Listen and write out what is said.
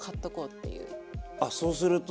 あそうすると。